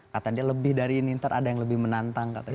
katanya lebih dari ini ntar ada yang lebih menantang katanya